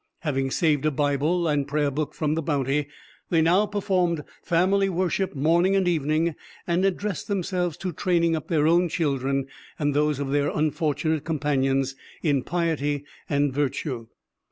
Having saved a Bible and prayer book from the Bounty, they now performed family worship morning and evening, and addressed themselves to training up their own children and those of their unfortunate companions in piety and virtue.